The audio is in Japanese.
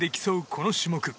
この種目。